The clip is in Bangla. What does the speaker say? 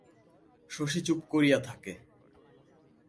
শশী চুপ করিয়া থাকে।